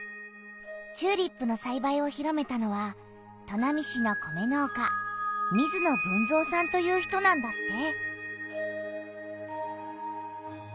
チューリップのさいばいを広めたのは砺波市の米農家水野豊造さんという人なんだって！